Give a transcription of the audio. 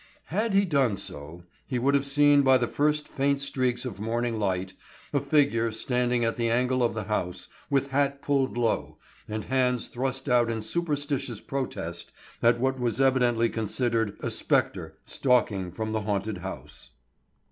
Had he done so, he would have seen by the first faint streaks of morning light, a figure standing at the angle of the house, with hat pulled low, and hands thrust out in superstitious protest at what was evidently considered a spectre stalking from the haunted house.